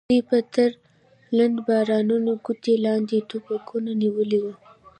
دوی به تر لندو باراني کوټو لاندې ټوپکونه نیولي وو.